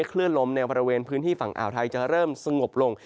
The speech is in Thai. คลื่นลมในบริเวณพื้นที่ฝั่งอ่าวไทยจะเริ่มสงบลง